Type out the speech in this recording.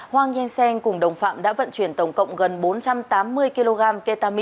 hoàng yên seng cùng đồng phạm đã vận chuyển tổng cộng gần bốn trăm tám mươi kg k tám mươi